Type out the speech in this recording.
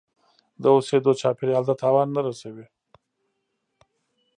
د اوسیدو چاپیریال ته تاوان نه رسوي.